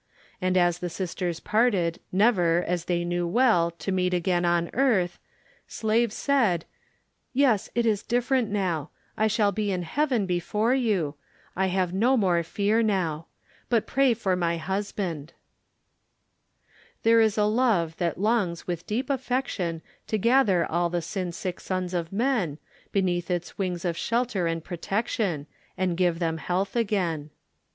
And as the sisters parted never as they knew well to meet again on earth, Slave said, "Yes, it is different now, I shall be in heaven before you. I have no more fear now. But pray for my husband." There is a Love that longs with deep affection To gather all the sinsick sons of men Beneath its wings of shelter and protection, And give them health again.